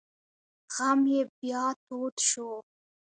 غم یې بیا تود شو.